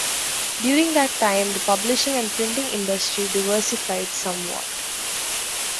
During that time the publishing and printing industry diversified somewhat.